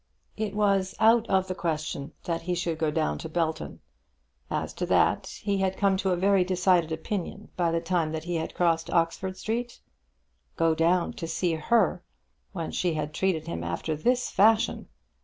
It was out of the question that he should go down to Belton. As to that he had come to a very decided opinion by the time that he had crossed Oxford Street. Go down to see her, when she had treated him after this fashion!